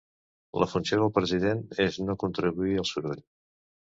“La funció d’un president és no contribuir al soroll”.